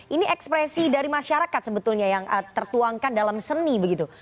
ini ekspresi dari masyarakat sebetulnya yang tertuangkan dalam seni begitu